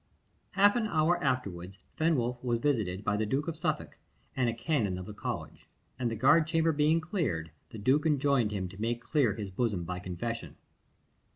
Half an hour afterwards Fenwolf was visited by the Duke of Suffolk and a canon of the college; and the guard chamber being cleared, the duke enjoined him to make clear his bosom by confession.